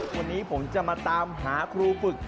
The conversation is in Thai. วันนี้ผมจะมาตามหาครูฝึก